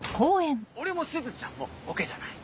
俺もしずちゃんもボケじゃない。